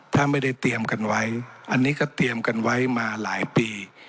ถ้าไม่ได้เตรียมกันไว้อันนี้ก็เตรียมกันไว้มาหลายปี